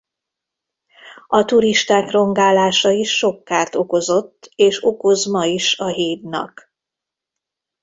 A turisták rongálása is sok kárt okozott és okoz ma is a hídnak.